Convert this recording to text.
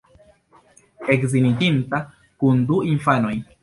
Edziniĝinta, kun du infanoj.